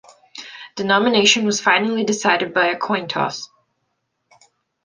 The nomination was finally decided by a coin toss.